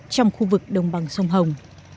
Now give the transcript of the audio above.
trong khu vực đồng bằng sông hồng